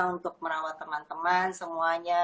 untuk merawat teman teman semuanya